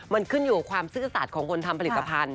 มันขึ้นอยู่กับความซื่อสัตว์ของคนทำผลิตภัณฑ